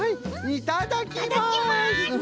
いただきます。